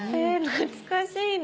懐かしいね。